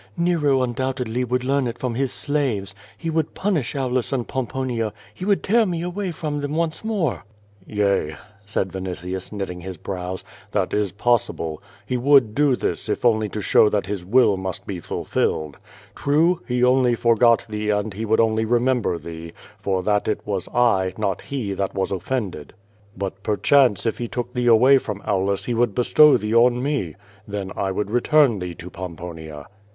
Nero undoubtedly would learn it from his slaves. He would punish Aulus and Pom ponia. He would tear me away from them once more." "Yea," said Vinitius, knitting his brows, "that is possible. He would do this if only to show that his will must be ful filled. True, he only forgot thee and he would only remember thee, for that it was I, not he, that was offended. But per chance if he took thee away from Aulus he would bestow thee on me. Then I would return thee to Pomponia."